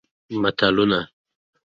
متلونه